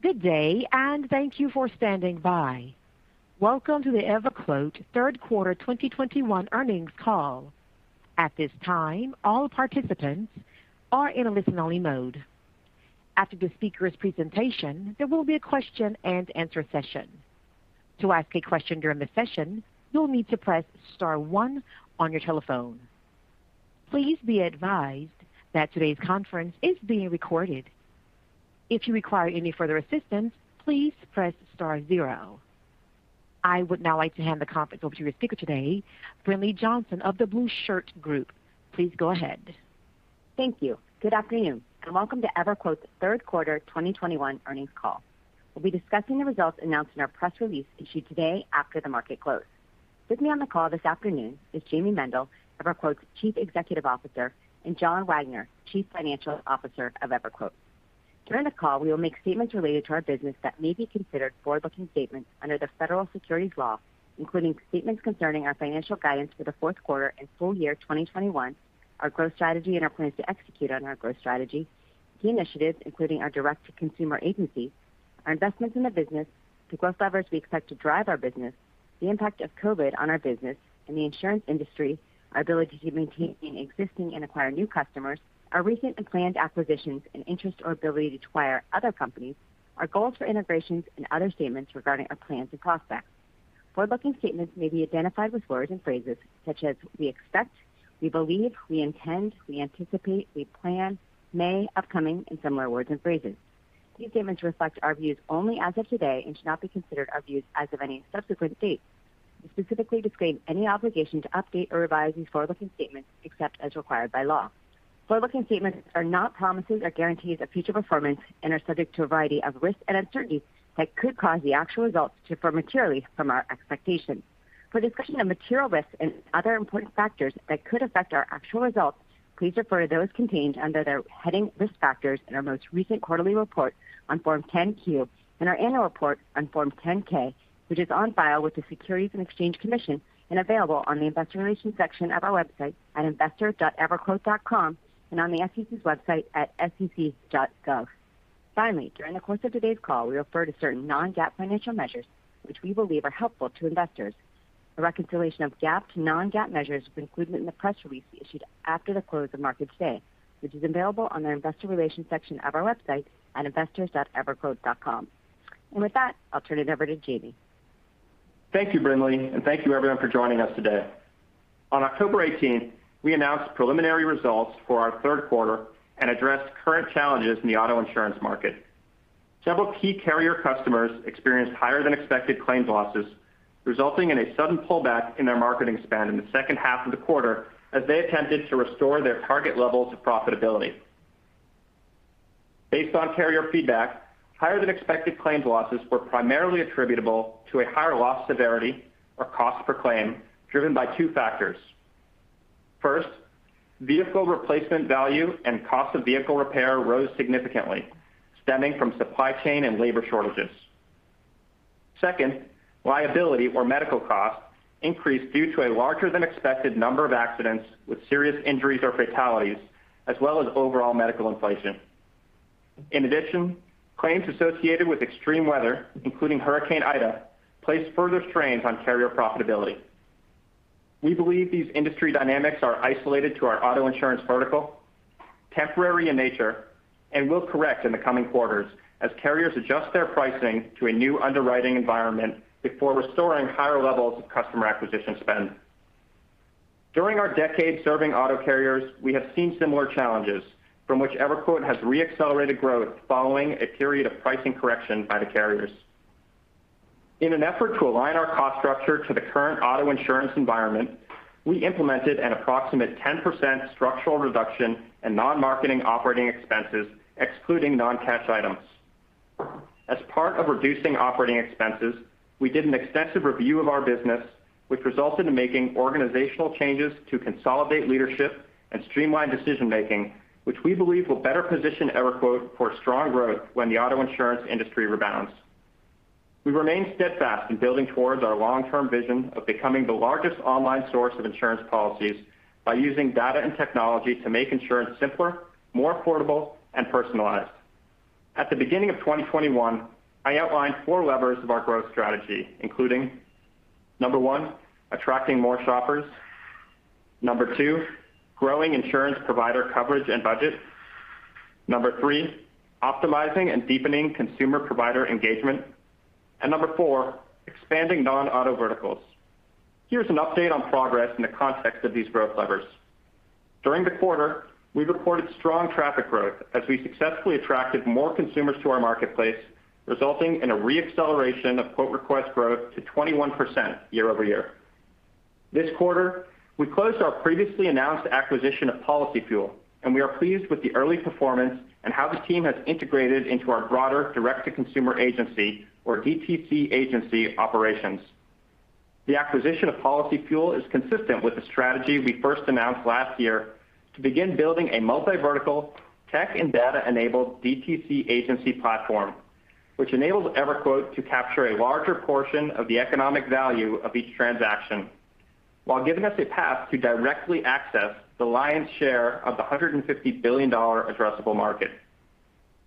Good day, and thank you for standing by. Welcome to the EverQuote third quarter 2021 earnings call. At this time, all participants are in a listen-only mode. After the speaker's presentation, there will be a question-and-answer session. To ask a question during the session, you'll need to press star one on your telephone. Please be advised that today's conference is being recorded. If you require any further assistance, please press star zero. I would now like to hand the conference over to your speaker today, Brinlea Johnson of The Blueshirt Group. Please go ahead. Thank you. Good afternoon, and welcome to EverQuote's third quarter 2021 earnings call. We'll be discussing the results announced in our press release issued today after the market closed. With me on the call this afternoon is Jayme Mendal, EverQuote's Chief Executive Officer, and John Wagner, Chief Financial Officer of EverQuote. During the call, we will make statements related to our business that may be considered forward-looking statements under the federal securities laws, including statements concerning our financial guidance for the fourth quarter and full year 2021, our growth strategy and our plans to execute on our growth strategy, key initiatives, including our direct-to-consumer agency, our investments in the business, the growth levers we expect to drive our business, the impact of COVID on our business and the insurance industry, our ability to maintain existing and acquire new customers, our recent and planned acquisitions and interest or ability to acquire other companies, our goals for integrations and other statements regarding our plans and prospects. Forward-looking statements may be identified with words and phrases such as "we expect," "we believe," "we intend," "we anticipate," "we plan," "may," "upcoming," and similar words and phrases. These statements reflect our views only as of today and should not be considered our views as of any subsequent date. We specifically disclaim any obligation to update or revise these forward-looking statements except as required by law. Forward-looking statements are not promises or guarantees of future performance and are subject to a variety of risks and uncertainties that could cause the actual results to differ materially from our expectations. For a discussion of material risks and other important factors that could affect our actual results, please refer to those contained under the heading Risk Factors in our most recent quarterly report on Form 10-Q and our annual report on Form 10-K, which is on file with the Securities and Exchange Commission and available on the investor relations section of our website at investors.everquote.com and on the SEC's website at sec.gov. Finally, during the course of today's call, we refer to certain non-GAAP financial measures which we believe are helpful to investors. A reconciliation of GAAP to non-GAAP measures is included in the press release issued after the close of market today, which is available on the investor relations section of our website at investors.everquote.com. With that, I'll turn it over to Jayme. Thank you, Brinlea, and thank you everyone for joining us today. On October 18th, we announced preliminary results for our third quarter and addressed current challenges in the auto insurance market. Several key carrier customers experienced higher than expected claims losses, resulting in a sudden pullback in their marketing spend in the second half of the quarter as they attempted to restore their target levels of profitability. Based on carrier feedback, higher than expected claims losses were primarily attributable to a higher loss severity or cost per claim driven by two factors. First, vehicle replacement value and cost of vehicle repair rose significantly, stemming from supply chain and labor shortages. Second, liability or medical costs increased due to a larger than expected number of accidents with serious injuries or fatalities, as well as overall medical inflation. In addition, claims associated with extreme weather, including Hurricane Ida, placed further strains on carrier profitability. We believe these industry dynamics are isolated to our auto insurance vertical, temporary in nature, and will correct in the coming quarters as carriers adjust their pricing to a new underwriting environment before restoring higher levels of customer acquisition spend. During our decade serving auto carriers, we have seen similar challenges from which EverQuote has re-accelerated growth following a period of pricing correction by the carriers. In an effort to align our cost structure to the current auto insurance environment, we implemented an approximate 10% structural reduction in non-marketing operating expenses, excluding non-cash items. As part of reducing operating expenses, we did an extensive review of our business, which resulted in making organizational changes to consolidate leadership and streamline decision-making, which we believe will better position EverQuote for strong growth when the auto insurance industry rebounds. We remain steadfast in building towards our long-term vision of becoming the largest online source of insurance policies by using data and technology to make insurance simpler, more affordable, and personalized. At the beginning of 2021, I outlined four levers of our growth strategy, including number one, attracting more shoppers, number two, growing insurance provider coverage and budget, number three, optimizing and deepening consumer provider engagement, and number four, expanding non-auto verticals. Here's an update on progress in the context of these growth levers. During the quarter, we recorded strong traffic growth as we successfully attracted more consumers to our marketplace, resulting in a re-acceleration of quote request growth to 21% year-over-year. This quarter, we closed our previously announced acquisition of PolicyFuel, and we are pleased with the early performance and how the team has integrated into our broader direct-to-consumer agency or DTC agency operations. The acquisition of PolicyFuel is consistent with the strategy we first announced last year to begin building a multi-vertical tech and data-enabled DTC agency platform, which enables EverQuote to capture a larger portion of the economic value of each transaction, while giving us a path to directly access the lion's share of the $150 billion addressable market.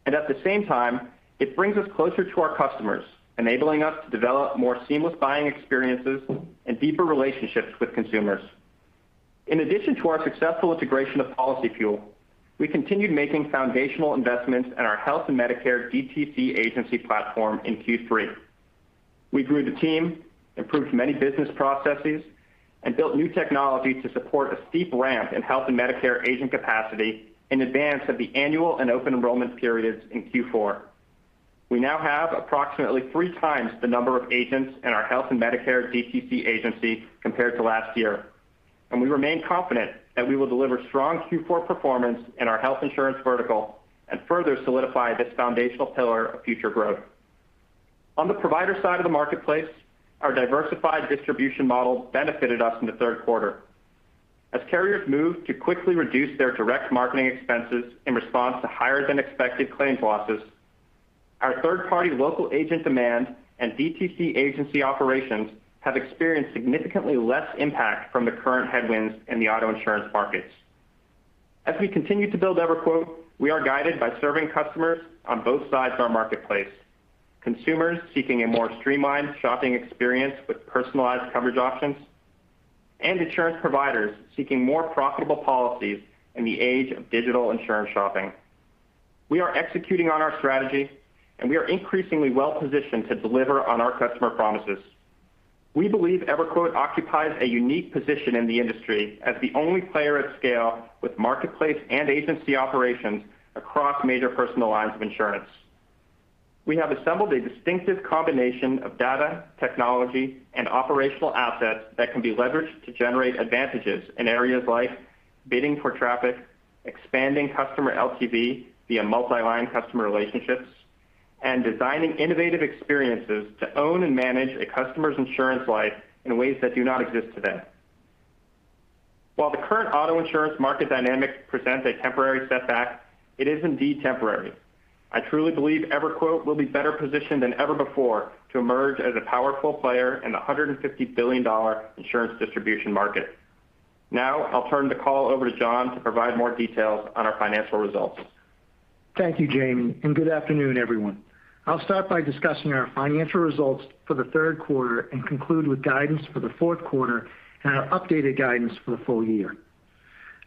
At the same time, it brings us closer to our customers, enabling us to develop more seamless buying experiences and deeper relationships with consumers. In addition to our successful integration of PolicyFuel, we continued making foundational investments in our health and Medicare DTC agency platform in Q3. We grew the team, improved many business processes, and built new technology to support a steep ramp in health and Medicare agent capacity in advance of the annual and open enrollment periods in Q4. We now have approximately 3x the number of agents in our health and Medicare DTC agency compared to last year, and we remain confident that we will deliver strong Q4 performance in our health insurance vertical and further solidify this foundational pillar of future growth. On the provider side of the marketplace, our diversified distribution model benefited us in the third quarter. As carriers move to quickly reduce their direct marketing expenses in response to higher than expected claims losses, our third-party local agent demand and DTC agency operations have experienced significantly less impact from the current headwinds in the auto insurance markets. As we continue to build EverQuote, we are guided by serving customers on both sides of our marketplace, consumers seeking a more streamlined shopping experience with personalized coverage options, and insurance providers seeking more profitable policies in the age of digital insurance shopping. We are executing on our strategy, and we are increasingly well positioned to deliver on our customer promises. We believe EverQuote occupies a unique position in the industry as the only player at scale with marketplace and agency operations across major personal lines of insurance. We have assembled a distinctive combination of data, technology, and operational assets that can be leveraged to generate advantages in areas like bidding for traffic, expanding customer LTV via multi-line customer relationships, and designing innovative experiences to own and manage a customer's insurance life in ways that do not exist today. While the current auto insurance market dynamic presents a temporary setback, it is indeed temporary. I truly believe EverQuote will be better positioned than ever before to emerge as a powerful player in the $150 billion insurance distribution market. Now I'll turn the call over to John to provide more details on our financial results. Thank you, Jayme, and good afternoon, everyone. I'll start by discussing our financial results for the third quarter and conclude with guidance for the fourth quarter and our updated guidance for the full year.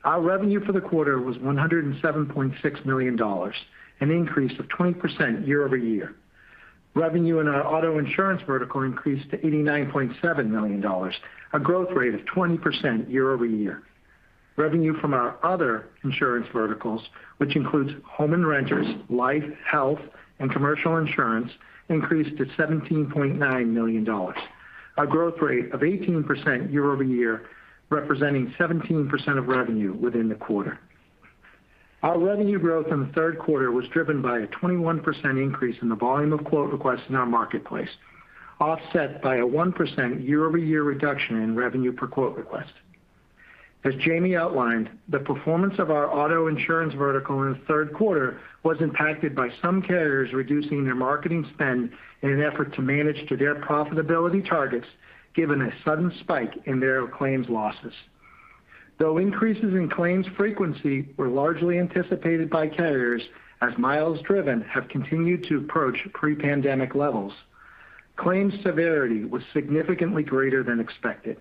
Our revenue for the quarter was $107.6 million, an increase of 20% year-over-year. Revenue in our auto insurance vertical increased to $89.7 million, a growth rate of 20% year-over-year. Revenue from our other insurance verticals, which includes home and renters, life, health, and commercial insurance, increased to $17.9 million, a growth rate of 18% year-over-year, representing 17% of revenue within the quarter. Our revenue growth in the third quarter was driven by a 21% increase in the volume of quote requests in our marketplace, offset by a 1% year-over-year reduction in revenue per quote request. As Jayme outlined, the performance of our auto insurance vertical in the third quarter was impacted by some carriers reducing their marketing spend in an effort to manage to their profitability targets, given a sudden spike in their claims losses. Though increases in claims frequency were largely anticipated by carriers, as miles driven have continued to approach pre-pandemic levels, claims severity was significantly greater than expected.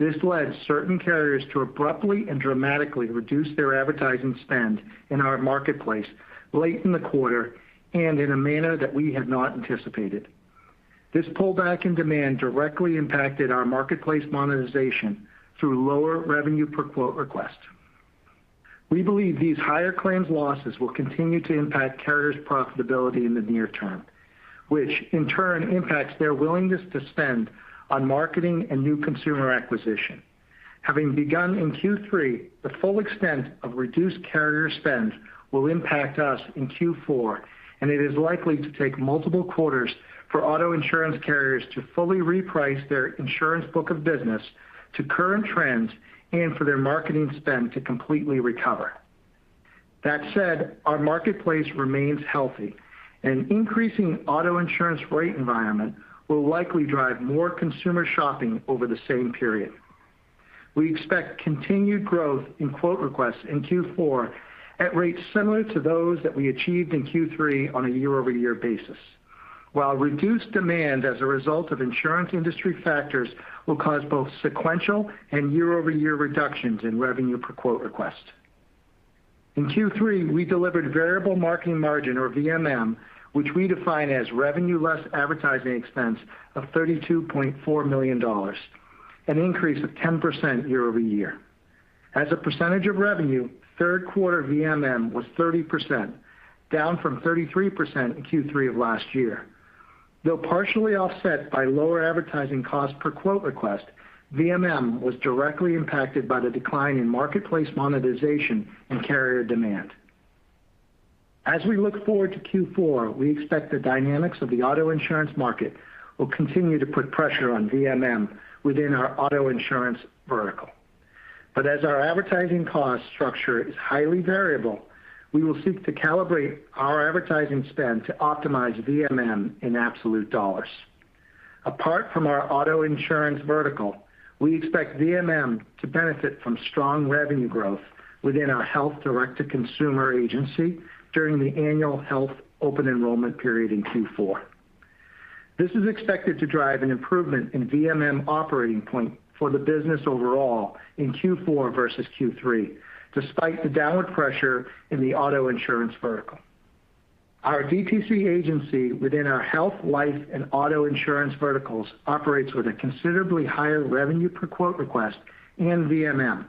This led certain carriers to abruptly and dramatically reduce their advertising spend in our marketplace late in the quarter and in a manner that we had not anticipated. This pullback in demand directly impacted our marketplace monetization through lower revenue per quote request. We believe these higher claims losses will continue to impact carriers' profitability in the near term, which in turn impacts their willingness to spend on marketing and new consumer acquisition. Having begun in Q3, the full extent of reduced carrier spend will impact us in Q4, and it is likely to take multiple quarters for auto insurance carriers to fully reprice their insurance book of business to current trends and for their marketing spend to completely recover. That said, our marketplace remains healthy, and increasing auto insurance rate environment will likely drive more consumer shopping over the same period. We expect continued growth in quote requests in Q4 at rates similar to those that we achieved in Q3 on a year-over-year basis, while reduced demand as a result of insurance industry factors will cause both sequential and year-over-year reductions in revenue per quote request. In Q3, we delivered variable marketing margin or VMM, which we define as revenue less advertising expense of $32.4 million, an increase of 10% year-over-year. As a percentage of revenue, third quarter VMM was 30%, down from 33% in Q3 of last year. Though partially offset by lower advertising cost per quote request, VMM was directly impacted by the decline in marketplace monetization and carrier demand. As we look forward to Q4, we expect the dynamics of the auto insurance market will continue to put pressure on VMM within our auto insurance vertical. As our advertising cost structure is highly variable, we will seek to calibrate our advertising spend to optimize VMM in absolute dollars. Apart from our auto insurance vertical, we expect VMM to benefit from strong revenue growth within our health direct-to-consumer agency during the annual health open enrollment period in Q4. This is expected to drive an improvement in VMM operating point for the business overall in Q4 versus Q3, despite the downward pressure in the auto insurance vertical. Our DTC agency within our health, life, and auto insurance verticals operates with a considerably higher revenue per quote request in VMM,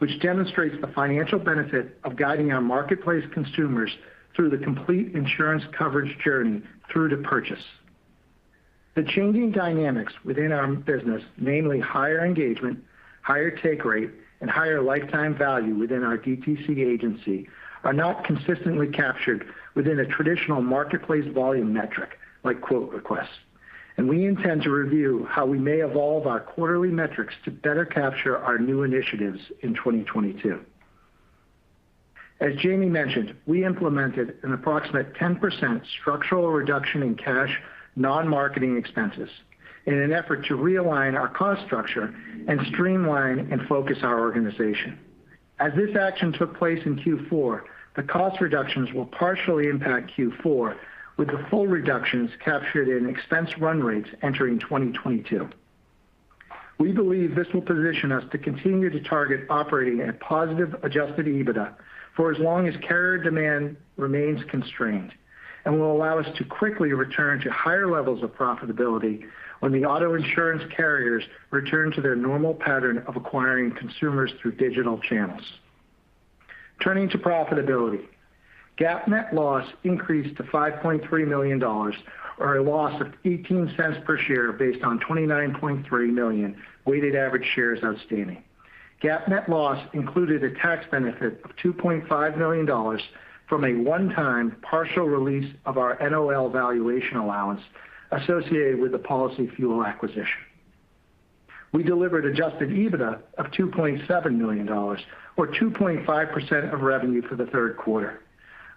which demonstrates the financial benefit of guiding our marketplace consumers through the complete insurance coverage journey through to purchase. The changing dynamics within our business, namely higher engagement, higher take rate, and higher lifetime value within our DTC agency, are not consistently captured within a traditional marketplace volume metric, like quote requests. We intend to review how we may evolve our quarterly metrics to better capture our new initiatives in 2022. As Jayme mentioned, we implemented an approximate 10% structural reduction in cash non-marketing expenses in an effort to realign our cost structure and streamline and focus our organization. As this action took place in Q4, the cost reductions will partially impact Q4, with the full reductions captured in expense run rates entering 2022. We believe this will position us to continue to target operating at positive adjusted EBITDA for as long as carrier demand remains constrained and will allow us to quickly return to higher levels of profitability when the auto insurance carriers return to their normal pattern of acquiring consumers through digital channels. Turning to profitability. GAAP net loss increased to $5.3 million or a loss of $0.18 per share based on 29.3 million weighted average shares outstanding. GAAP net loss included a tax benefit of $2.5 million from a one-time partial release of our NOL valuation allowance associated with the PolicyFuel acquisition. We delivered adjusted EBITDA of $2.7 million or 2.5% of revenue for the third quarter.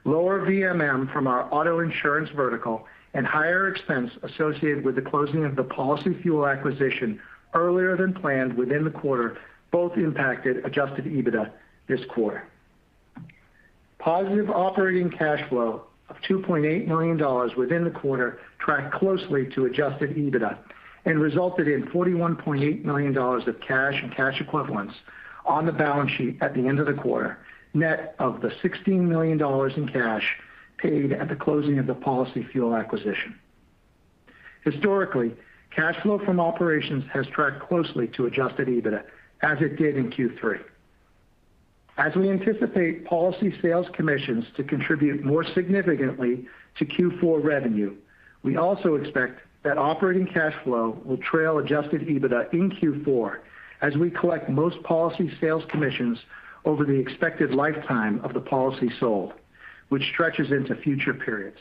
Lower VMM from our auto insurance vertical and higher expense associated with the closing of the PolicyFuel acquisition earlier than planned within the quarter, both impacted adjusted EBITDA this quarter. Positive operating cash flow of $2.8 million within the quarter tracked closely to adjusted EBITDA and resulted in $41.8 million of cash and cash equivalents on the balance sheet at the end of the quarter, net of the $16 million in cash paid at the closing of the PolicyFuel acquisition. Historically, cash flow from operations has tracked closely to adjusted EBITDA as it did in Q3. As we anticipate policy sales commissions to contribute more significantly to Q4 revenue, we also expect that operating cash flow will trail adjusted EBITDA in Q4 as we collect most policy sales commissions over the expected lifetime of the policy sold, which stretches into future periods.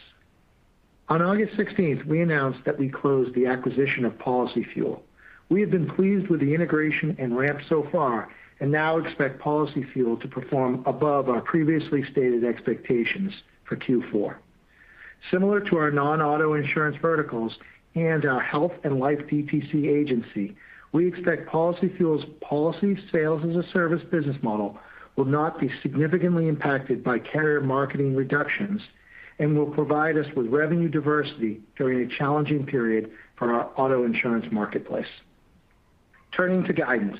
On August 16th, we announced that we closed the acquisition of PolicyFuel. We have been pleased with the integration and ramp so far and now expect PolicyFuel to perform above our previously stated expectations for Q4. Similar to our non-auto insurance verticals and our health and life DTC agency, we expect PolicyFuel's policy sales as a service business model will not be significantly impacted by carrier marketing reductions and will provide us with revenue diversity during a challenging period for our auto insurance marketplace. Turning to guidance.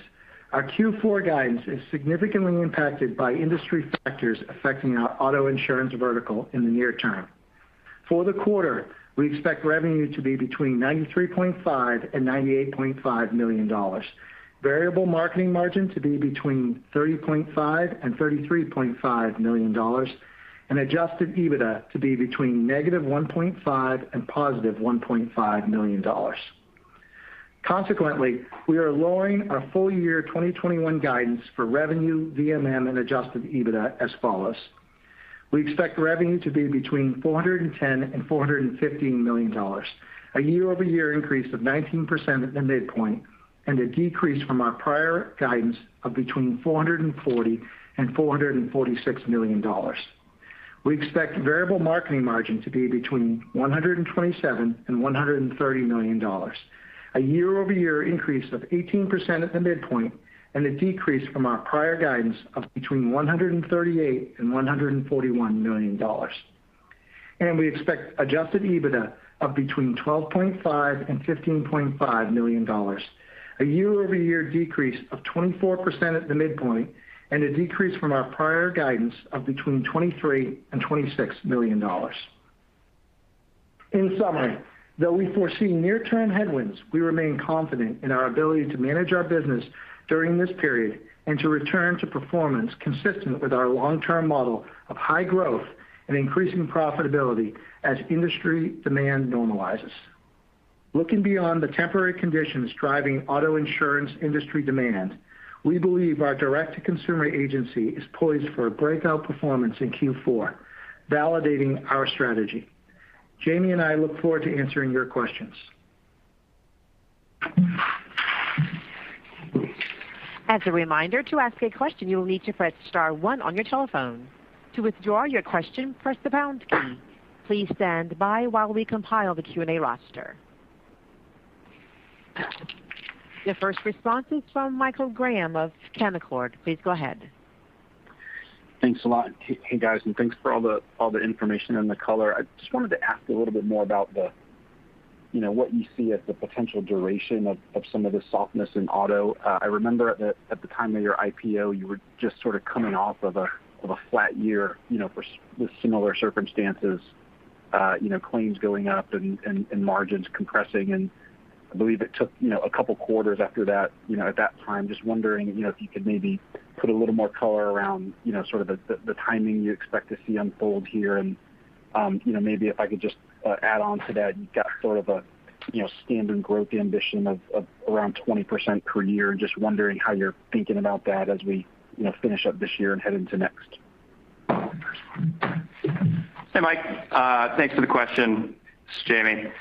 Our Q4 guidance is significantly impacted by industry factors affecting our auto insurance vertical in the near term. For the quarter, we expect revenue to be between $93.5 million and $98.5 million. Variable marketing margin to be between $30.5 million and $33.5 million. Adjusted EBITDA to be between -$1.5 million and +$1.5 million. Consequently, we are lowering our full year 2021 guidance for revenue, VMM, and adjusted EBITDA as follows. We expect revenue to be between $410 million and $415 million, a year-over-year increase of 19% at the midpoint, and a decrease from our prior guidance of between $440 million and $446 million. We expect variable marketing margin to be between $127 million and $130 million, a 18% year-over-year increase at the midpoint, and a decrease from our prior guidance of between $138 million and $141 million. We expect adjusted EBITDA of between $12.5 million and $15.5 million, a year-over-year decrease of 24% at the midpoint, and a decrease from our prior guidance of between $23 million and $26 million. In summary, though we foresee near-term headwinds, we remain confident in our ability to manage our business during this period and to return to performance consistent with our long-term model of high growth and increasing profitability as industry demand normalizes. Looking beyond the temporary conditions driving auto insurance industry demand, we believe our direct-to-consumer agency is poised for a breakout performance in Q4, validating our strategy. Jayme and I look forward to answering your questions. As a reminder, to ask a question, you will need to press star one on your telephone. To withdraw your question, press the pound key. Please stand by while we compile the Q&A roster. The first response is from Michael Graham of Canaccord. Please go ahead. Thanks a lot. Hey, guys, and thanks for all the information and the color. I just wanted to ask a little bit more about the, you know, what you see as the potential duration of some of the softness in auto. I remember at the time of your IPO, you were just sort of coming off of a flat year, you know, for with similar circumstances, you know, claims going up and margins compressing. I believe it took, you know, a couple quarters after that, you know, at that time. Just wondering, you know, if you could maybe put a little more color around, you know, sort of the timing you expect to see unfold here? You know, maybe if I could just add on to that, you've got sort of a you know, standard growth ambition of around 20% per year. Just wondering how you're thinking about that as we you know, finish up this year and head into next? Hey, Mike. Thanks for the question. This is Jayme.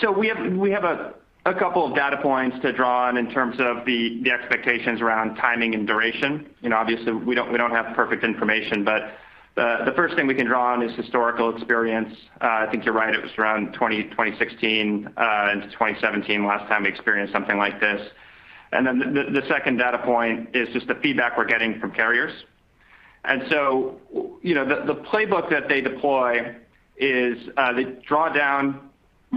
So we have a couple of data points to draw on in terms of the expectations around timing and duration. You know, obviously, we don't have perfect information. The first thing we can draw on is historical experience. I think you're right, it was around 2016 and 2017, last time we experienced something like this. The second data point is just the feedback we're getting from carriers. You know, the playbook that they deploy is they draw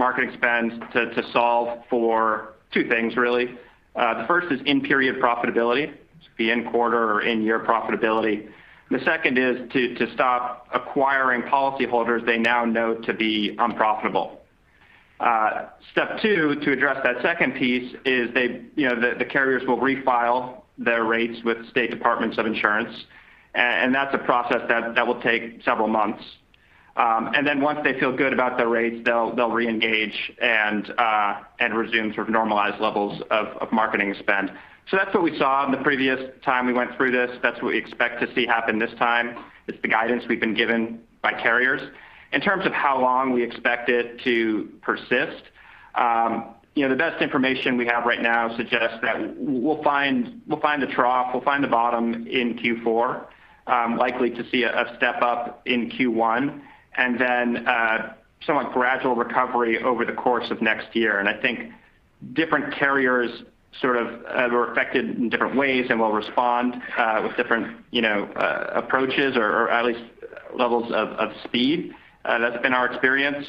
down marketing expense to solve for two things, really. The first is in-period profitability, the in-quarter or in-year profitability. The second is to stop acquiring policyholders they now know to be unprofitable. Step two, to address that second piece is they, you know, the carriers will refile their rates with state departments of insurance. That's a process that will take several months. Once they feel good about their rates, they'll reengage and resume sort of normalized levels of marketing spend. That's what we saw in the previous time we went through this. That's what we expect to see happen this time. It's the guidance we've been given by carriers. In terms of how long we expect it to persist, you know, the best information we have right now suggests that we'll find the trough, the bottom in Q4. Likely to see a step-up in Q1, and then somewhat gradual recovery over the course of next year. I think different carriers sort of were affected in different ways and will respond with different approaches or at least levels of speed. That's been our experience.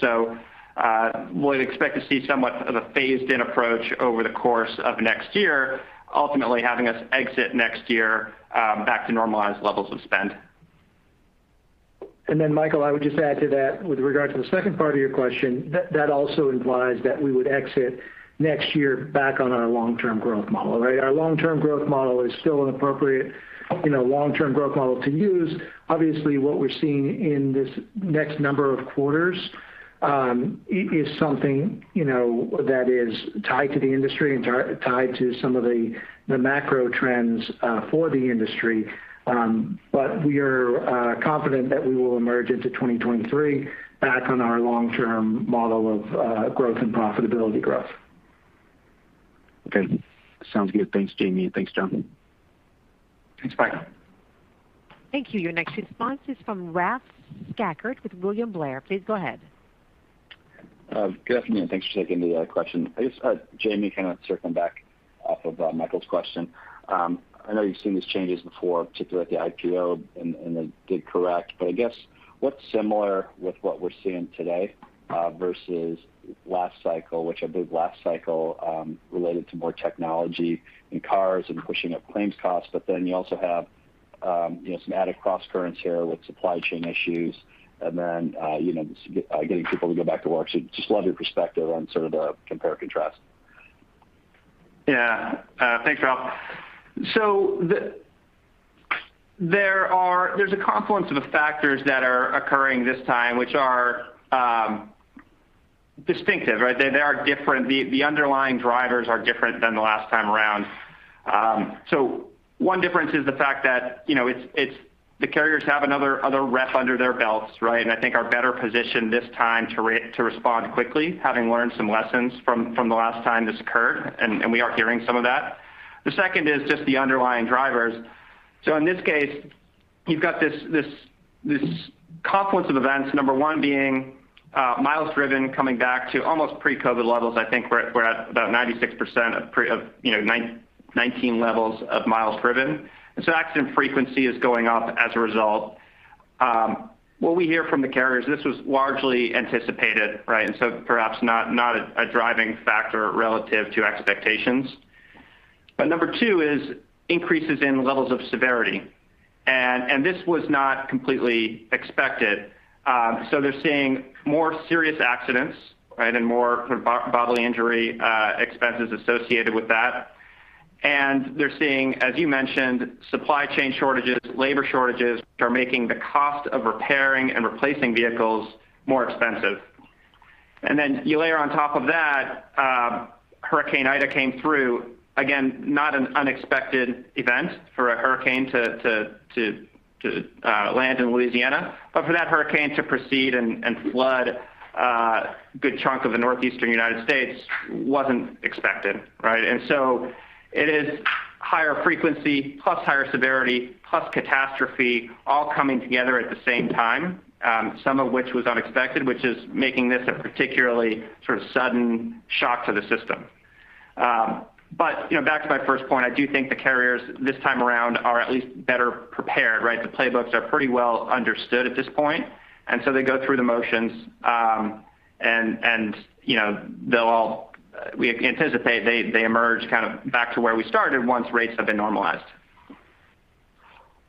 We'd expect to see somewhat of a phased-in approach over the course of next year, ultimately having us exit next year back to normalized levels of spend. Michael, I would just add to that with regard to the second part of your question, that also implies that we would exit next year back on our long-term growth model, right? Our long-term growth model is still an appropriate, you know, long-term growth model to use. Obviously, what we're seeing in this next number of quarters, is something, you know, that is tied to the industry and tied to some of the macro trends, for the industry. But we are confident that we will emerge into 2023 back on our long-term model of growth and profitability growth. Okay. Sounds good. Thanks, Jayme. Thanks, John. Thanks, Mike. Thank you. Your next response is from Ralph Schackart with William Blair. Please go ahead. Good afternoon. Thanks for taking the question. I guess, Jayme, kind of circling back off of Michael's question. I know you've seen these changes before, particularly at the IPO, and they did correct. I guess what's similar with what we're seeing today versus last cycle, which I believe last cycle related to more technology in cars and pushing up claims costs, but then you also have you know, some added cross-currents here with supply chain issues and then you know, just getting people to go back to work? Just love your perspective on sort of the compare or contrast. Yeah. Thanks, Ralph. There's a confluence of factors that are occurring this time, which are distinctive, right? They are different. The underlying drivers are different than the last time around. One difference is the fact that, you know, it's the carriers have another rep under their belts, right? I think they are better positioned this time to respond quickly, having learned some lessons from the last time this occurred, and we are hearing some of that. The second is just the underlying drivers. In this case, you've got this confluence of events, number one being miles driven coming back to almost pre-COVID levels. I think we're at about 96% of pre-2019 levels of miles driven. Accident frequency is going up as a result. What we hear from the carriers, this was largely anticipated, right? Perhaps not a driving factor relative to expectations. Number two is increases in levels of severity. This was not completely expected. They're seeing more serious accidents, right? And more sort of bodily injury expenses associated with that. They're seeing, as you mentioned, supply chain shortages, labor shortages are making the cost of repairing and replacing vehicles more expensive. Then you layer on top of that. Hurricane Ida came through, again, not an unexpected event for a hurricane to land in Louisiana. For that hurricane to proceed and flood a good chunk of the Northeastern United States wasn't expected, right? It is higher frequency plus higher severity plus catastrophe all coming together at the same time, some of which was unexpected, which is making this a particularly sort of sudden shock to the system. You know, back to my first point, I do think the carriers this time around are at least better prepared, right? The playbooks are pretty well understood at this point, and so they go through the motions, and you know, we anticipate they emerge kind of back to where we started once rates have been normalized.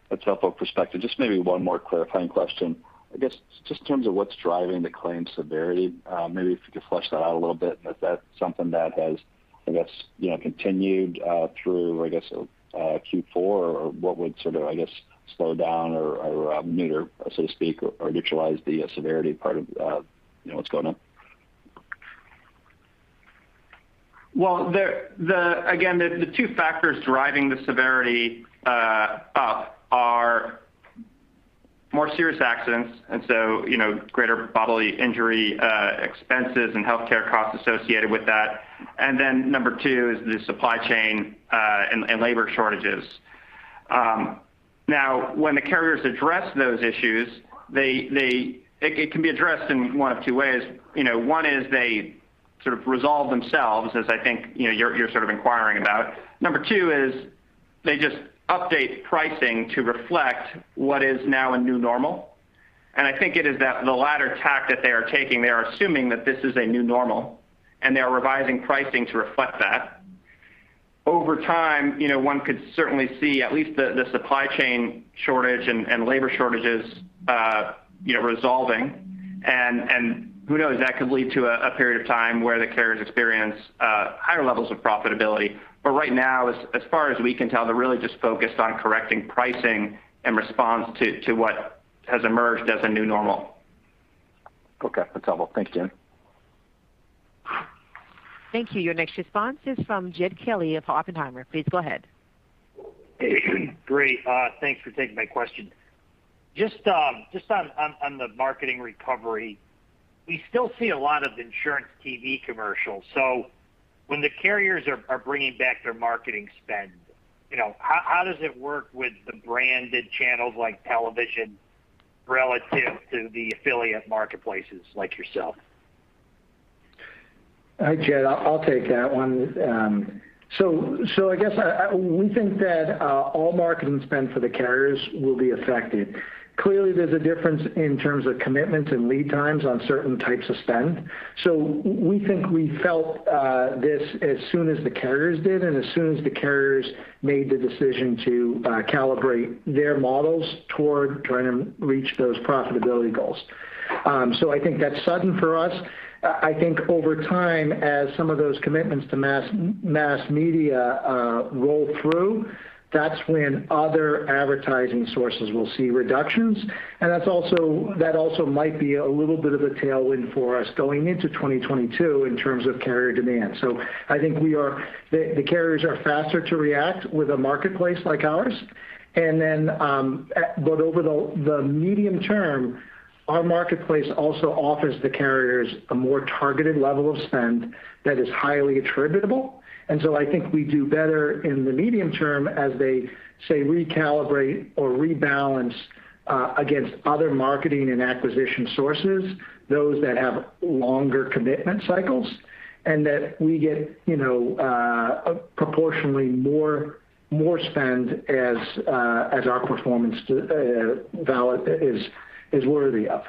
That's helpful perspective. Just maybe one more clarifying question. I guess just in terms of what's driving the claim severity, maybe if you could flesh that out a little bit. Is that something that has, I guess, you know, continued through, I guess, Q4, or what would sort of, I guess, slow down or neuter, so to speak, or neutralize the severity part of, you know, what's going on? Well, again, the two factors driving the severity up are more serious accidents, and so, you know, greater bodily injury expenses and healthcare costs associated with that. Number two is the supply chain and labor shortages. Now, when the carriers address those issues, it can be addressed in one of two ways. You know, one is they sort of resolve themselves, as I think, you know, you're sort of inquiring about. Number two is they just update pricing to reflect what is now a new normal, and I think it is that the latter tack that they are taking, they are assuming that this is a new normal, and they are revising pricing to reflect that. Over time, you know, one could certainly see at least the supply chain shortage and labor shortages, you know, resolving and who knows, that could lead to a period of time where the carriers experience higher levels of profitability. Right now, as far as we can tell, they're really just focused on correcting pricing in response to what has emerged as a new normal. Okay. That's helpful. Thanks, Jayme. Thank you. Your next response is from Jed Kelly of Oppenheimer. Please go ahead. Great. Thanks for taking my question. Just on the marketing recovery, we still see a lot of insurance TV commercials. When the carriers are bringing back their marketing spend, you know, how does it work with the branded channels like television relative to the affiliate marketplaces like yourself? All right, Jed, I'll take that one. I guess we think that all marketing spend for the carriers will be affected. Clearly, there's a difference in terms of commitments and lead times on certain types of spend. We think we felt this as soon as the carriers did and as soon as the carriers made the decision to calibrate their models toward trying to reach those profitability goals. I think that's sudden for us. I think over time, as some of those commitments to mass media roll through, that's when other advertising sources will see reductions. That also might be a little bit of a tailwind for us going into 2022 in terms of carrier demand. I think we are. The carriers are faster to react with a marketplace like ours. Over the medium term, our marketplace also offers the carriers a more targeted level of spend that is highly attributable. I think we do better in the medium term as they recalibrate or rebalance against other marketing and acquisition sources, those that have longer commitment cycles, and we get you know proportionally more spend as our performance validity is worthy of.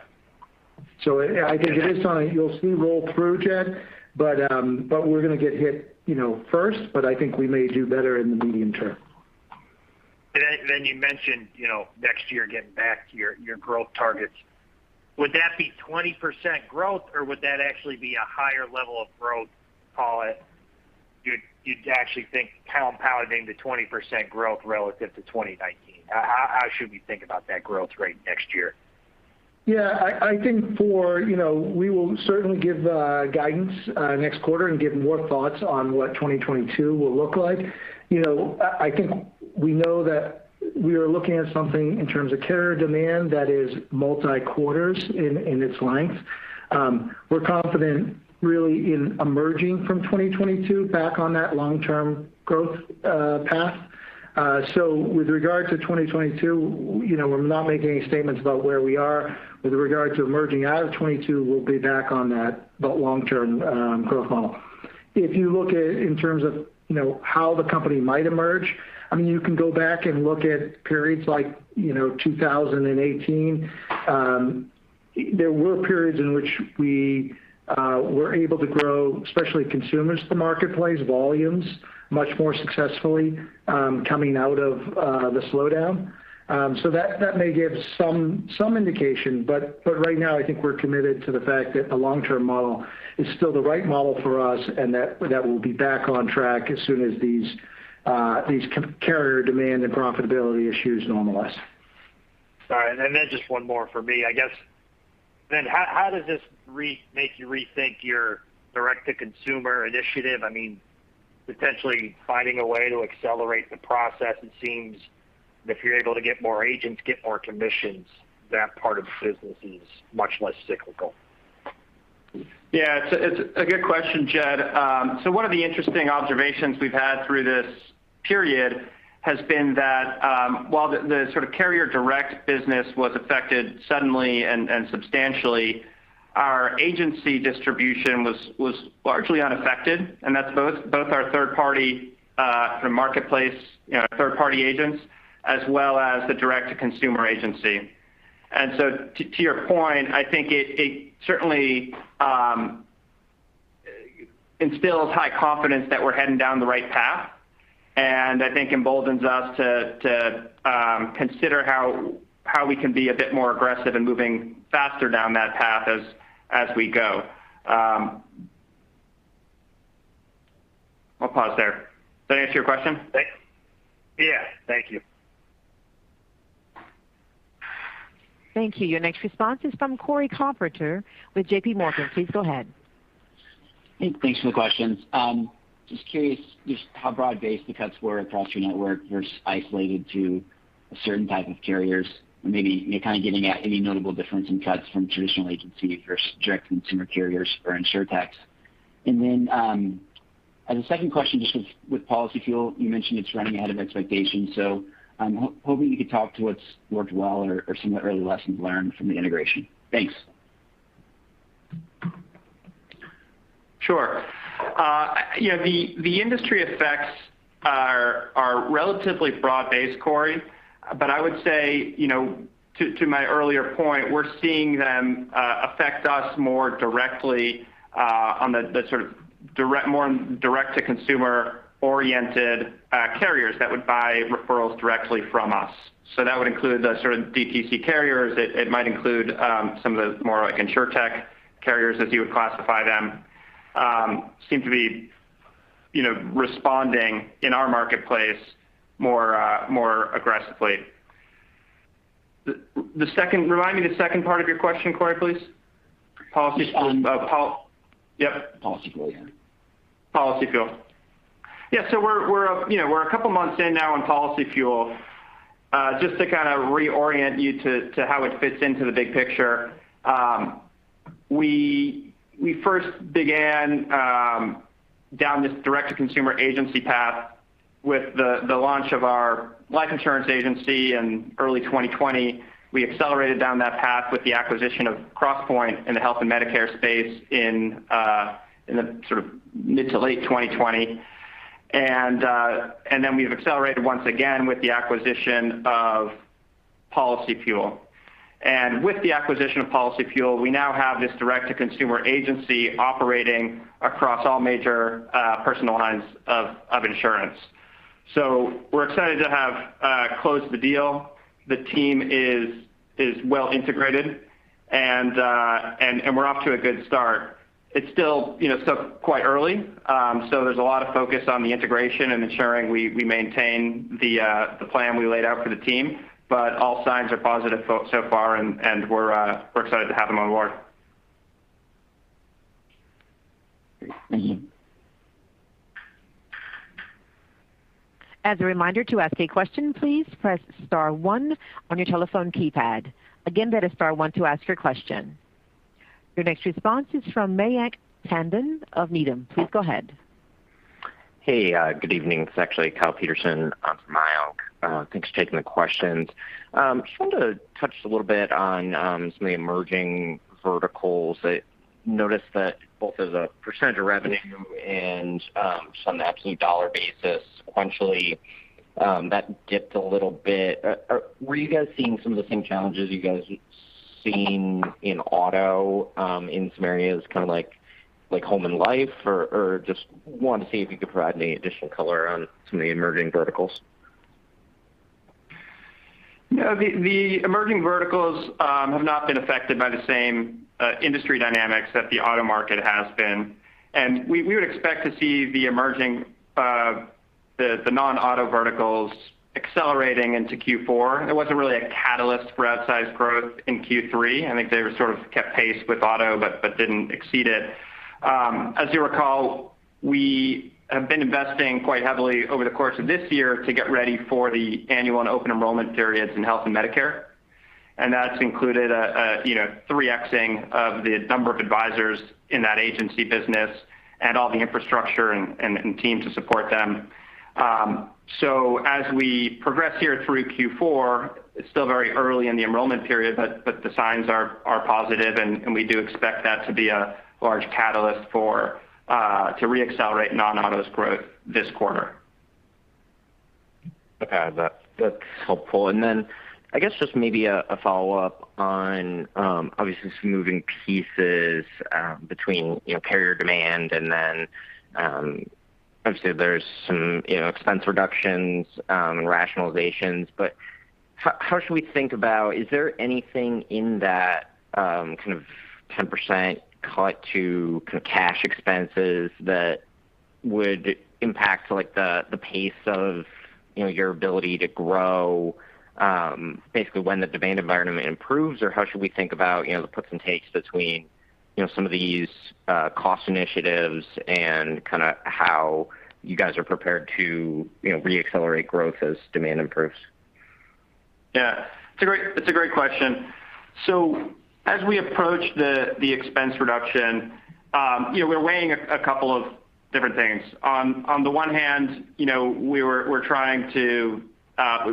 I think it is something you'll see roll through, Jed, but we're going to get hit you know first, but I think we may do better in the medium term. Then you mentioned, you know, next year getting back to your growth targets. Would that be 20% growth, or would that actually be a higher level of growth, call it, you'd actually think compounding to 20% growth relative to 2019? How should we think about that growth rate next year? Yeah. I think, you know, we will certainly give guidance next quarter and give more thoughts on what 2022 will look like. You know, I think we know that we are looking at something in terms of carrier demand that is multi quarters in its length. We're confident really in emerging from 2022 back on that long-term growth path. So with regard to 2022, you know, we're not making any statements about where we are. With regard to emerging out of 2022, we'll be back on that long-term growth model. If you look at in terms of, you know, how the company might emerge, I mean, you can go back and look at periods like, you know, 2018. There were periods in which we were able to grow, especially consumers to marketplace volumes much more successfully, coming out of the slowdown. That may give some indication. Right now, I think we're committed to the fact that a long-term model is still the right model for us and that we'll be back on track as soon as these carrier demand and profitability issues normalize. Sorry. Just one more for me. I guess how does this make you rethink your direct-to-consumer initiative? I mean, potentially finding a way to accelerate the process. It seems if you're able to get more agents, get more commissions, that part of the business is much less cyclical. Yeah, it's a good question, Jed. So one of the interesting observations we've had through this period has been that while the sort of carrier direct business was affected suddenly and substantially, our agency distribution was largely unaffected, and that's both our third party sort of marketplace, you know, third party agents as well as the direct-to-consumer agency. To your point, I think it certainly instills high confidence that we're heading down the right path, and I think emboldens us to consider how we can be a bit more aggressive in moving faster down that path as we go. I'll pause there. Does that answer your question? Yes. Thank you. Thank you. Your next response is from Cory Carpenter with J.P. Morgan. Please go ahead. Hey, thanks for the questions. Just curious how broad-based the cuts were across your network versus isolated to a certain type of carriers or maybe, you know, kind of getting at any notable difference in cuts from traditional agencies versus direct consumer carriers or InsurTechs? As a second question, just with PolicyFuel, you mentioned it's running ahead of expectations, so I'm hoping you could talk to what's worked well or some of the early lessons learned from the integration? Thanks. Sure. You know, the industry effects are relatively broad-based, Cory, but I would say, you know, to my earlier point, we're seeing them affect us more directly on the more direct-to-consumer-oriented carriers that would buy referrals directly from us. So that would include the sort of DTC carriers. It might include some of the more like InsurTech carriers, as you would classify them, seem to be responding in our marketplace more aggressively. Remind me the second part of your question, Cory, please. Policy- Policyfuel. Yep. PolicyFuel, yeah. PolicyFuel. Yeah. We're a couple of months in now on PolicyFuel. Just to kind of reorient you to how it fits into the big picture, we first began down this direct-to-consumer agency path with the launch of our life insurance agency in early 2020. We accelerated down that path with the acquisition of Crosspointe in the health and Medicare space in the sort of mid- to late 2020. Then we've accelerated once again with the acquisition of PolicyFuel. With the acquisition of PolicyFuel, we now have this direct-to-consumer agency operating across all major personal lines of insurance. We're excited to have closed the deal. The team is well integrated, and we're off to a good start. It's still, you know, still quite early, so there's a lot of focus on the integration and ensuring we maintain the plan we laid out for the team. All signs are positive so far and we're excited to have them on board. Great. Thank you. As a reminder to ask a question, please press star one on your telephone keypad. Again, that is star one to ask your question. Your next response is from Mayank Tandon of Needham. Please go ahead. Hey, good evening. This is actually Kyle Peterson on for Mayank. Thanks for taking the questions. Just wanted to touch a little bit on some of the emerging verticals. I noticed that both as a percentage of revenue and just on an absolute dollar basis sequentially that dipped a little bit. Were you guys seeing some of the same challenges you guys have seen in auto in some areas kind of like home and life or just wanted to see if you could provide any additional color on some of the emerging verticals? No, the emerging verticals have not been affected by the same industry dynamics that the auto market has been. We would expect to see the emerging non-auto verticals accelerating into Q4. There wasn't really a catalyst for outsized growth in Q3. I think they sort of kept pace with auto but didn't exceed it. As you recall, we have been investing quite heavily over the course of this year to get ready for the annual and open enrollment periods in health and Medicare. That's included a you know 3x-ing of the number of advisors in that agency business and all the infrastructure and team to support them. As we progress here through Q4, it's still very early in the enrollment period, but the signs are positive, and we do expect that to be a large catalyst for it to reaccelerate non-autos growth this quarter. Okay. That's helpful. Then I guess just maybe a follow-up on obviously some moving pieces between you know carrier demand and then obviously there's some you know expense reductions and rationalizations, but how should we think about. Is there anything in that kind of 10% cut to kind of cash expenses that would impact like the pace of you know your ability to grow basically when the demand environment improves? Or how should we think about you know the puts and takes between you know some of these cost initiatives and kinda how you guys are prepared to you know re-accelerate growth as demand improves? Yeah. It's a great question. As we approach the expense reduction, you know, we're weighing a couple of different things. On the one hand, you know, we're trying to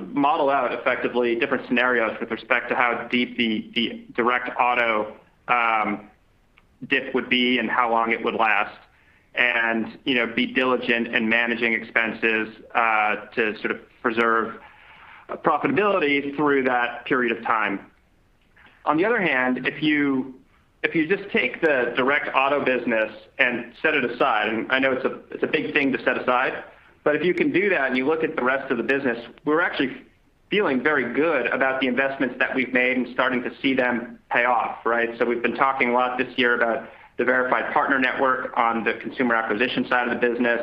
model out effectively different scenarios with respect to how deep the direct auto dip would be and how long it would last, you know, be diligent in managing expenses to sort of preserve profitability through that period of time. On the other hand, if you just take the direct auto business and set it aside, and I know it's a big thing to set aside, but if you can do that and you look at the rest of the business, we're actually feeling very good about the investments that we've made and starting to see them pay off, right? We've been talking a lot this year about the Verified Partner Network on the consumer acquisition side of the business.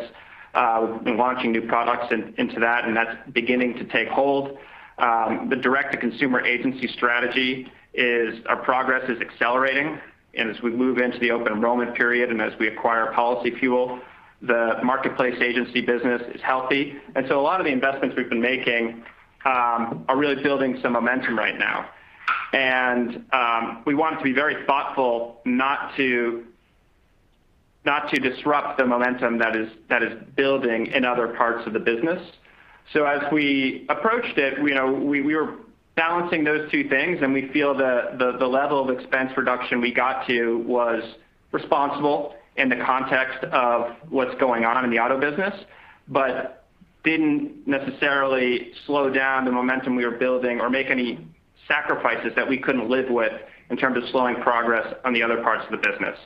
We've been launching new products into that, and that's beginning to take hold. The direct-to-consumer agency strategy, our progress is accelerating, and as we move into the open enrollment period and as we acquire PolicyFuel, the marketplace agency business is healthy. A lot of the investments we've been making are really building some momentum right now. We want to be very thoughtful not to disrupt the momentum that is building in other parts of the business. As we approached it, you know, we were balancing those two things, and we feel the level of expense reduction we got to was responsible in the context of what's going on in the auto business, but didn't necessarily slow down the momentum we were building or make any sacrifices that we couldn't live with in terms of slowing progress on the other parts of the business.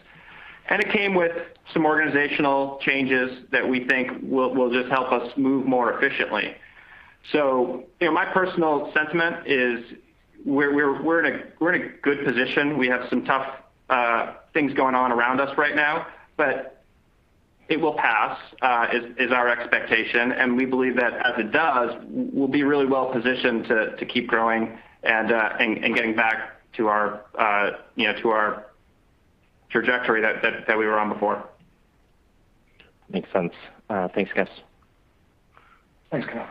It came with some organizational changes that we think will just help us move more efficiently. You know, my personal sentiment is we're in a good position. We have some tough things going on around us right now, but it will pass, is our expectation, and we believe that as it does, we'll be really well positioned to keep growing and getting back to our, you know, to our trajectory that we were on before. Makes sense. Thanks, guys. Thanks, Kyle.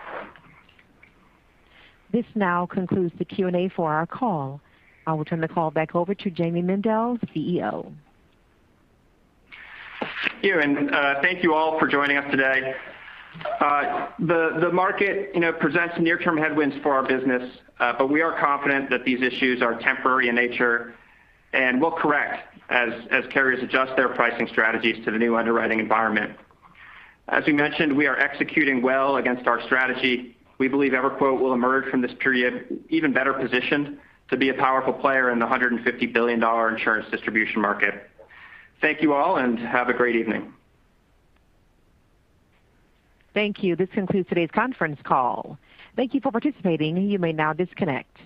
This now concludes the Q&A for our call. I will turn the call back over to Jayme Mendal, CEO. Thank you, and thank you all for joining us today. The market, you know, presents near-term headwinds for our business, but we are confident that these issues are temporary in nature and will correct as carriers adjust their pricing strategies to the new underwriting environment. As we mentioned, we are executing well against our strategy. We believe EverQuote will emerge from this period even better positioned to be a powerful player in the $150 billion insurance distribution market. Thank you all, and have a great evening. Thank you. This concludes today's conference call. Thank you for participating. You may now disconnect.